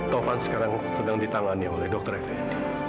taufan sekarang sedang ditangani oleh dokter effendi